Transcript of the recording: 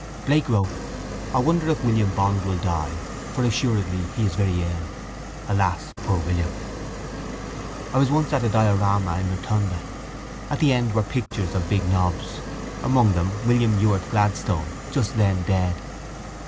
Blake wrote: I wonder if William Bond will die For assuredly he is very ill. Alas, poor William! I was once at a diorama in Rotunda. At the end were pictures of big nobs. Among them William Ewart Gladstone, just then dead.